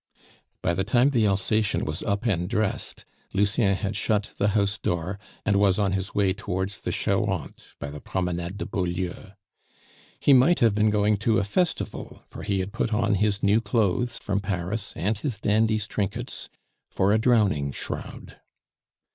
By the time the Alsacien was up and dressed, Lucien had shut the house door, and was on his way towards the Charente by the Promenade de Beaulieu. He might have been going to a festival, for he had put on his new clothes from Paris and his dandy's trinkets for a drowning shroud.